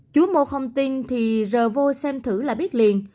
chú mô không tin thì rờ vô xem thử là biết liền